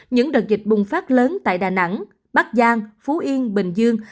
những đợt dịch bùng phát lớn tại đà nẵng bắc giang phú yên bình dương